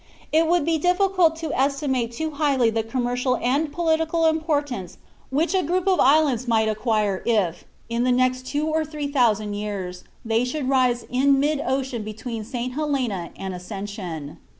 It would be difficult to estimate too highly the commercial and political importance which a group of islands might acquire if, in the next two or three thousand years, they should rise in mid ocean between St. Helena and Ascension."